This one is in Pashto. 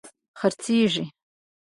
خرڅیږې